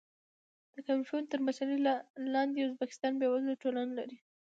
د کریموف تر مشرۍ لاندې ازبکستان بېوزله ټولنه لري.